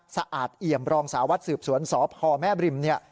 สะอาดเอี่ยมรองสาวัดสืบสวนสอบคอแม่บริม